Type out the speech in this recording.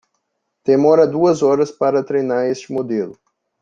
Demora duas horas para treinar este modelo.